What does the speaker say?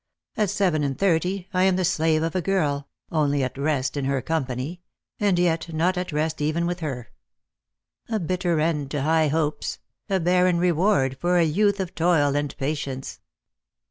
At seven and thirty I am the slave of a girl, only at rest in her company — and yet not at rest even with her. A bitter end to high hopes — a barren reward for a youth of toil and patience."